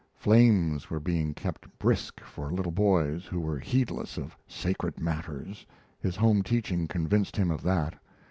Flames were being kept brisk for little boys who were heedless of sacred matters; his home teaching convinced him of that.